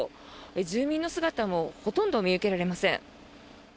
住民の姿もほとんど見受けられません。